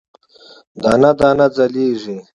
دانه، دانه ځلیږې